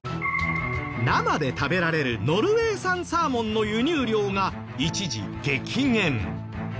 生で食べられるノルウェー産サーモンの輸入量が一時激減。